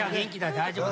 大丈夫だ。